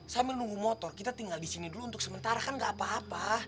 sambil nunggu motor kita tinggal di sini dulu untuk sementara kan gak apa apa